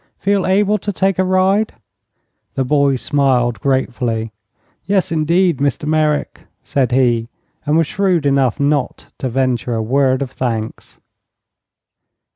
Feel able to take a ride?" The boy smiled, gratefully. "Yes, indeed, Mr. Merrick," said he, and was shrewd enough not to venture a word of thanks.